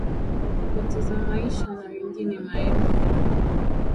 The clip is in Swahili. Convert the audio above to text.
kupoteza maisha na wengine maelfu